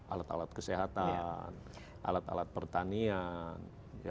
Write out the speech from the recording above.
alat alat kesehatan alat alat pertanian